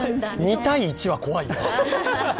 ２対１は怖いな。